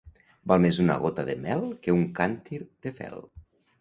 Val més una gota de mel que un càntir de fel.